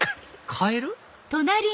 カエル？